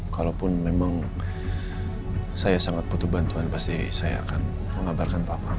kalaupun memang saya sangat butuh bantuan pasti saya akan mengabarkan pak prabowo